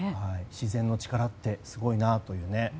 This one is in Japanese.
自然の力ってすごいなと思いますね。